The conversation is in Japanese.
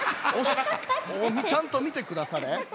ちゃんとみてくだされ。